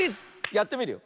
ふってみるよ。